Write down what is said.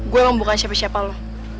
gua emang bukan siapa siapa lu